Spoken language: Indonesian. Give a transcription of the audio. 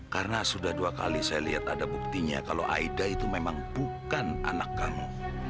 karena sudah dua kali saya lihat ada buktinya kalau aida itu memang bukan anak kamu